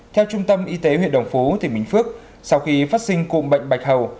theo trung tâm y tế huyện đồng phú tỉnh bình phước sau khi phát sinh cụm bệnh bạch hầu